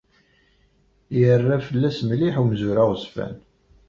Yerra fell-as mliḥ umzur aɣezfan.